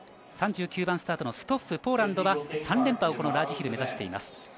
３９番スタートのストッフ、ポーランドは３連覇をこのラージヒル、目指しています。